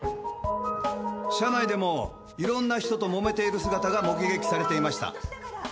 社内でも色んな人と揉めている姿が目撃されていました。